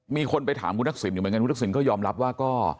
มีคนไปถามคุณนักศึนอยู่บรรยากาศนก็ยอมรับว่า